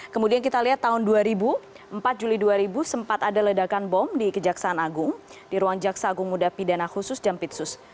kemudian kita lihat tahun dua ribu empat juli dua ribu sempat ada ledakan bom di kejaksaan agung di ruang jaksa agung muda pidana khusus jampitsus